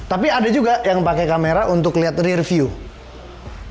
tapi ada juga yang pakai kamera untuk lihat review